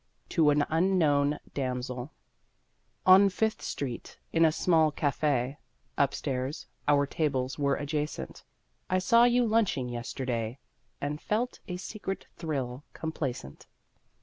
TO AN UNKNOWN DAMSEL On Fifth Street, in a small café, Upstairs (our tables were adjacent), I saw you lunching yesterday, And felt a secret thrill complacent.